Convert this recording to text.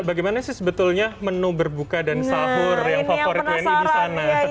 bagaimana sih sebetulnya menu berbuka dan sahur yang favorit wni di sana